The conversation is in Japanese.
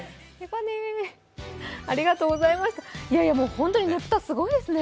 本当にねぷたすごいですね。